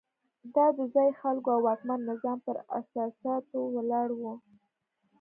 دا د ځايي خلکو او واکمن نظام پر اساساتو ولاړ وو.